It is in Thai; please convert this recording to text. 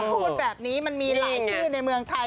พูดแบบนี้มันมีหลายชื่อในเมืองไทย